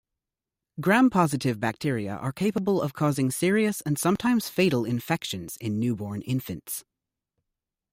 Gram-positive bacteria are capable of causing serious and sometimes fatal infections in newborn infants.